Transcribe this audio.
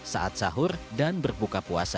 saat sahur dan berbuka puasa